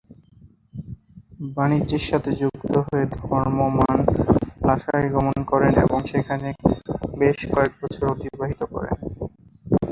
বাণিজ্যের সাথে যুক্ত হয়ে ধর্ম মান লাসায় গমন করেন এবং সেখানে বেশ কয়েক বছর অতিবাহিত করেন।